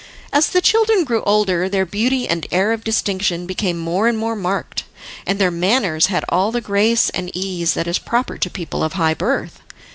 As the children grew older their beauty and air of distinction became more and more marked, and their manners had all the grace and ease that is proper to people of high birth.